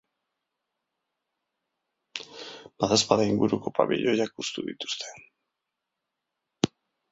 Badaezpada inguruko pabiloiak hustu dituzte.